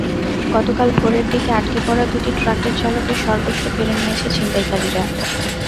গতকাল ভোরের দিকে আটকে পড়া দুটি ট্রাকের চালকের সর্বস্ব কেড়ে নিয়েছে ছিনতাইকারীরা।